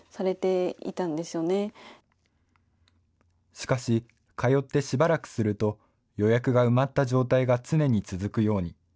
しかし、通ってしばらくすると、予約が埋まった状態が常に続くように。